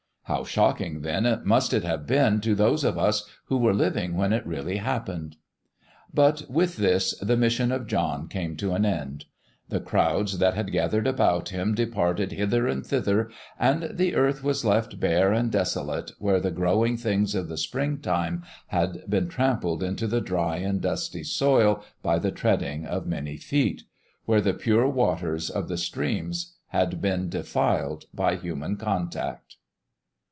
How shocking, then, must it have been to those of us who were living when it really happened. But with this, the mission of John came to an end. The crowds that had gathered about him departed hither and thither, and the earth was left bare and desolate where the growing things of the spring time had been trampled into the dry and dusty soil by the treading of many feet where the pure waters of the streams had been defiled by human contact.